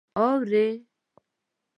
_اورې؟